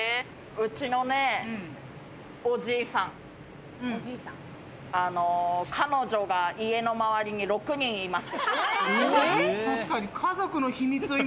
うちのおじいさん、彼女が家の周りに６人います。